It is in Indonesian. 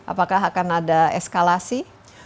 apakah akan ada eskalasi